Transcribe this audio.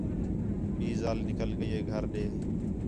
ٻئی ذال نِکل ڳئی ہِے گھر ݙے